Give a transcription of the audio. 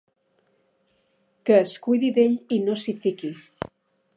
Que es cuidi d'ell i no s'hi fiqui.